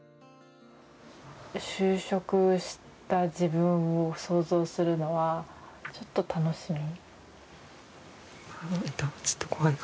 就職した自分を想像するのはちょっと楽しみ？